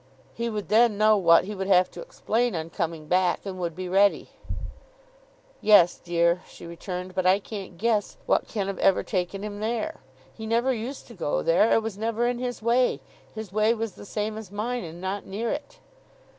He would then know what he would have to explain on coming back, and would be ready.' 'Yes, dear,' she returned; 'but I can't guess what can have ever taken him there. He never used to go there. It was never in his way. His way was the same as mine, and not near it.